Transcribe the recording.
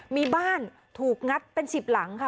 มีบ้านถูกงัดเป็น๑๐หลังค่ะ